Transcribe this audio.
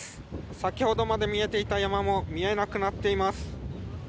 先ほどまで見えていた山も見えなくなっています。